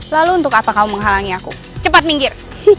lalu untuk apa kau menghalangi aku cepat minggir